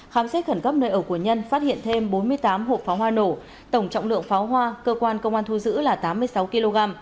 khám xét khẩn cấp nơi ở của nhân phát hiện thêm bốn mươi tám hộp pháo hoa nổ tổng trọng lượng pháo hoa cơ quan công an thu giữ là tám mươi sáu kg